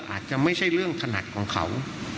อาจจะไม่ใช่เรื่องถนัดของเขา